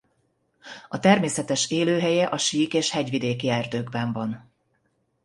A természetes élőhelye a sík- és hegyvidéki erdőkben van.